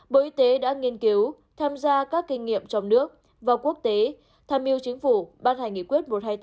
bộ y tế đã nghiên cứu tham gia các kinh nghiệm trong nước và quốc tế tham mưu chính phủ